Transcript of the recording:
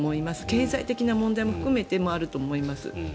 経済的な問題も含めてあると思います。